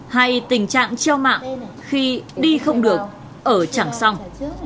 hay tình trạng treo mạng khi đi không được ở trảng song